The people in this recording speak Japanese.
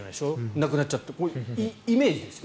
亡くなっちゃうってこれ、イメージですよね。